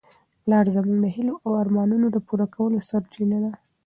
پلار زموږ د هیلو او ارمانونو د پوره کولو سرچینه ده.